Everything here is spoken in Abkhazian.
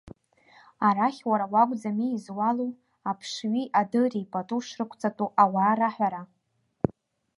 Арахь уара уакәӡами изуалу аԥшҩи адыри пату шрықәҵатәу ауаа раҳәара!